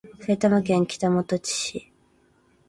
埼玉県北本市